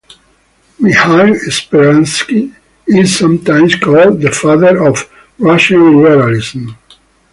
Mikhail Speransky is sometimes called the father of Russian liberalism.